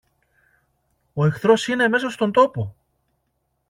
Ο εχθρός είναι μέσα στον τόπο!